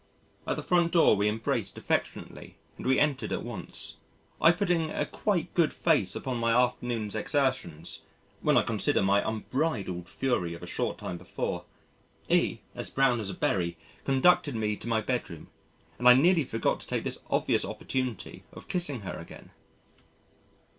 At the front door we embraced affectionately and we entered at once, I putting a quite good face upon my afternoon's exertions when I consider my unbridled fury of a short time before. E , as brown as a berry, conducted me to my bedroom and I nearly forgot to take this obvious opportunity of kissing her again.